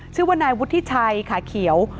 ชื่อว่านายวุฒิชัยขาเขียว